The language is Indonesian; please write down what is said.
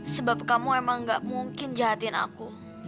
sebab kamu emang gak mungkin jahatin aku